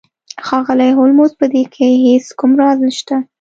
ښاغلی هولمز په دې کې هیڅ کوم راز نشته